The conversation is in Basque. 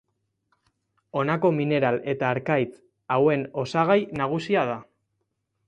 Honako mineral eta harkaitz hauen osagai nagusia da.